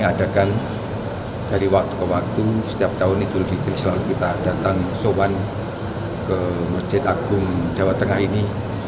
adakan dari waktu ke waktu setiap tahun idul fitri selalu kita datang soban ke masjid agung jawa tengah ini